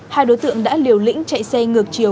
hai đối tượng đã liều lĩnh chạy xe ngược chiều